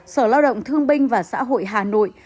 sở lao động thương binh và xã hội hà nội